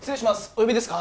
お呼びですか？